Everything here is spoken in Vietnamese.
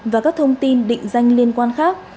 và các thông tin định danh liên quan khác